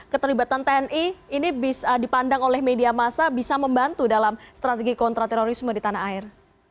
keterlibatan tni ini dipandang oleh media masa bisa membantu dalam strategi kontra terorisme di tanah air